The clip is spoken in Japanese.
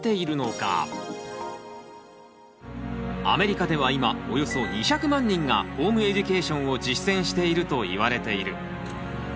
アメリカでは今およそ２００万人がホームエデュケーションを実践しているといわれている。